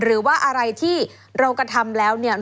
หรือว่าอะไรที่เรากระทำแล้วเนี่ย